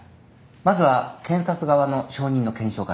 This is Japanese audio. まずは検察側の証人の検証から。